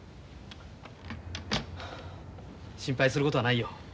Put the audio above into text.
心配することはないよ。